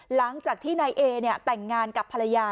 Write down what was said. หลังจากที่นายเอแต่งงานกับภรรยา